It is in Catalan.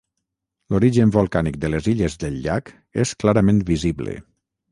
L'origen volcànic de les illes del llac és clarament visible.